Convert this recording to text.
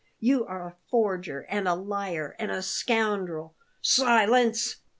You are a forger, and a liar, and a scoundrel " "Silence!"